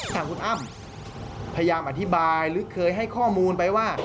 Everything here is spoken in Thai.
ทางคุณอ้ำพยายามอธิบายหรือเคยให้ข้อมูลไปว่า